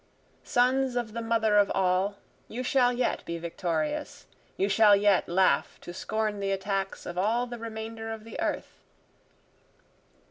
Sons of the Mother of All, you shall yet be victorious, You shall yet laugh to scorn the attacks of all the remainder of the earth.